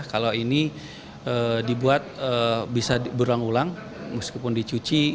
kalau ini dibuat bisa berulang ulang meskipun dicuci